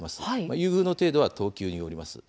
優遇の程度は等級によります。